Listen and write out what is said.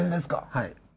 はい。